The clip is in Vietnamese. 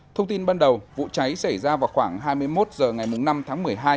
thông tin ban đầu vụ cháy xảy ra vào khoảng hai mươi một h ngày năm tháng một mươi hai